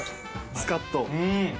スカッと。